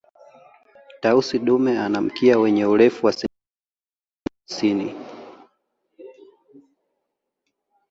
tausi dume ana mkia wenye urefu wa sentimita mia hamsini